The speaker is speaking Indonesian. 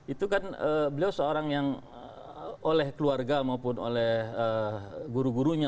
itu kan beliau seorang yang oleh keluarga maupun oleh guru gurunya